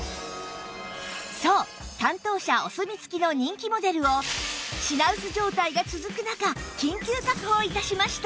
そう担当者お墨付きの人気モデルを品薄状態が続く中緊急確保致しました